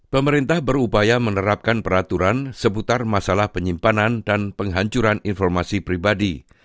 pemerintah berupaya menerapkan peraturan seputar masalah penyimpanan dan penghancuran informasi pribadi